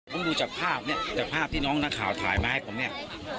ผมดูจากภาพเนี่ยจากภาพที่น้องนักข่าวถ่ายมาให้ผมเนี่ย